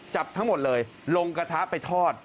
จับทั้งหมดเลยลงกระทะไปทอด